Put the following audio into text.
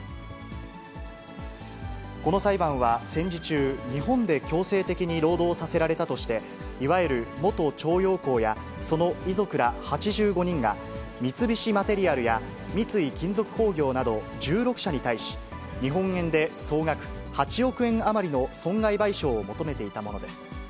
この裁判は戦時中、日本で強制的に労働させられたとして、いわゆる元徴用工やその遺族ら８５人が、三菱マテリアルや三井金属鉱業など１６社に対し、日本円で総額８億円余りの損害賠償を求めていたものです。